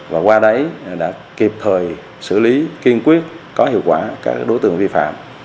và qua đấy đã kịp thời xử lý kiên quyết có hiệu quả các đối tượng vi phạm